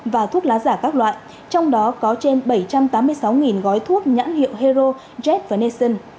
và thuốc lá giả các loại trong đó có trên bảy trăm tám mươi sáu gói thuốc nhãn hiệu hero jet và nestion